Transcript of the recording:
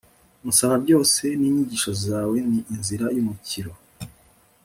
unsaba byose n'inyigisho zawe ni inzira yumukiro